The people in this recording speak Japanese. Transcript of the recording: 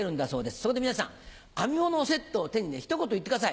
そこで皆さん編み物セットを手にひと言言ってください。